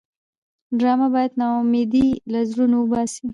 ډرامه باید ناامیدي له زړونو وباسي